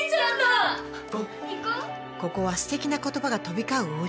ここはステキな言葉が飛び交う